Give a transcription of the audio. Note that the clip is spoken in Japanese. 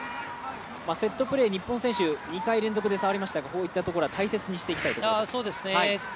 セットプレー日本選手、２回連続で触りましたがこういったところ大切にしたいですね。